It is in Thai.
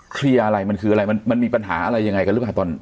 เคลียร์อะไรมันคืออะไรมันมีปัญหาอะไรยังไงกันหรือเปล่าตอน